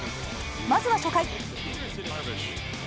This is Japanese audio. まずは初回。